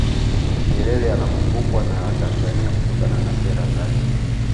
nyerere anakumbukwa na watanzania kutokana na sera zake